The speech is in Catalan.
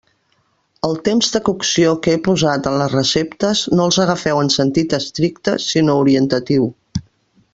Els temps de cocció que he posat en les receptes no els agafeu en sentit estricte sinó orientatiu.